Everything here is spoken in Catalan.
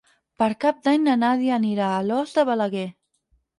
Per Cap d'Any na Nàdia anirà a Alòs de Balaguer.